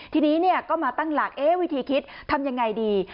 ทีนี้ก็มาตั้งหลักวิธีคิดทำยังไงดี